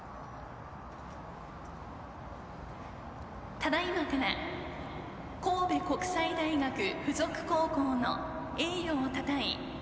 ただいまから神戸国際大学付属高校の栄誉をたたえ